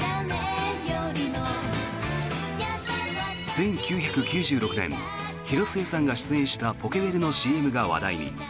１９９６年、広末さんが出演したポケベルのＣＭが話題に。